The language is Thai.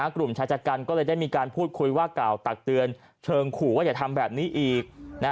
กลุ่มชายจัดการก็เลยได้มีการพูดคุยว่ากล่าวตักเตือนเชิงขู่ว่าอย่าทำแบบนี้อีก